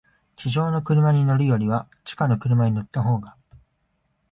地上の車に乗るよりは、地下の車に乗ったほうが、